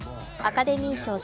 アカデミー賞